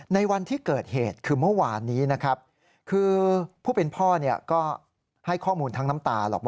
ในวันที่เกิดเหตุคือเมื่อวานนี้นะครับคือผู้เป็นพ่อก็ให้ข้อมูลทั้งน้ำตาหรอก